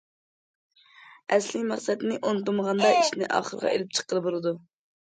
ئەسلىي مەقسەتنى ئۇنتۇمىغاندا، ئىشنى ئاخىرىغا ئېلىپ چىققىلى بولىدۇ.